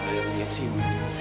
ada yang lihat sih